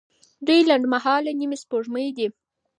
دوی لنډمهاله نیمه سپوږمۍ دي.